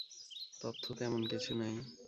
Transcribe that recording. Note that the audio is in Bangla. তথ্য তেমন কিছু নেই।